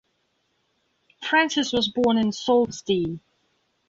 Francis was born in Sault Ste.